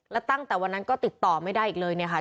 แล้วตั้งแต่วันนั้นก็ติดต่อไม่ได้อีกเลยเนี่ยค่ะ